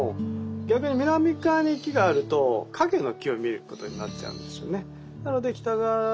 逆に南側に木があると影の木を見ることになっちゃうんですよね。